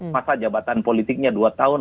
masa jabatan politiknya dua tahun